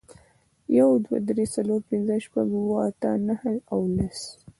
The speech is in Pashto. یو، دوه، درې، څلور، پینځه، شپږ، اووه، اته، نهه او لس